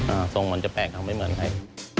อ่าสมมุมจะแปลกทำไม่เหมือนใคร